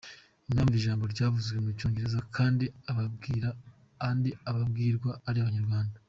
Impamvu ijambo ryavuzwe mu cyongereza kandi ababwirwa ari abanyarwanda.